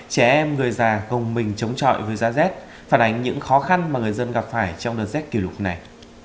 trẻ em người già cùng mình chống trọi với giá z phản ánh những khó khăn mà người dân gặp phải trong đợt z kỷ lục này